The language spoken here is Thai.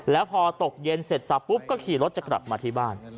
แล้วพอตกเย็นเสร็จสับปุ๊บก็ขี่รถจะกลับมาที่บ้าน